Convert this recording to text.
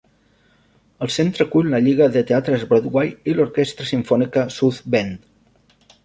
El centre acull la lliga de Teatres Broadway i l'orquestra simfònica South Bend.